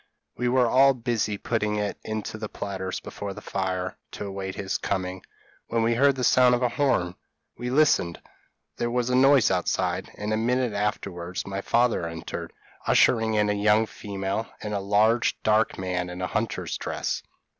We were all busy putting it into the platters before the fire, to await his coming, when we heard the sound of a horn. We listened there was a noise outside, and a minute afterwards my father entered, ushering in a young female, and a large dark man in a hunter's dress.